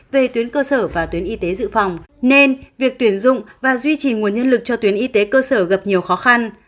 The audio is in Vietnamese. về tuyến cơ sở và tuyến y tế dự phòng nên việc tuyển dụng và duy trì nguồn nhân lực cho tuyến y tế cơ sở gặp nhiều khó khăn